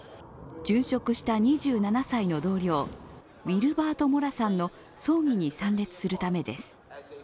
殉職した２７歳の同僚、ウィルバート・モラさんの葬儀に参列するためです。